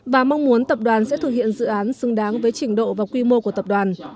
và mong muốn tập đoàn sẽ thực hiện dự án xứng đáng với trình độ và quy mô của tập đoàn